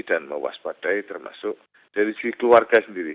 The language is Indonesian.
dan mewaspadai termasuk dari sisi keluarga sendiri